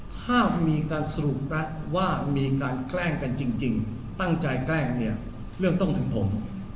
ถ้ามีการสรุปนะว่ามีการแกล้งกันจริงตั้งใจแกล้งเนี่ยเรื่องต้องถึงผม